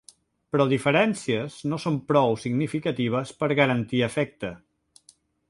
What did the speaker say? Però diferències no són prou significatives per garantir efecte.